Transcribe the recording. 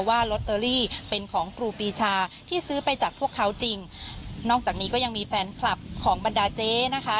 ว่าลอตเตอรี่เป็นของครูปีชาที่ซื้อไปจากพวกเขาจริงนอกจากนี้ก็ยังมีแฟนคลับของบรรดาเจ๊นะคะ